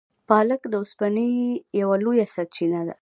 پالک د اوسپنې یوه لویه سرچینه ده.